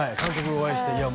お会いしていや